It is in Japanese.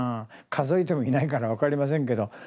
数えてもいないから分かりませんけど。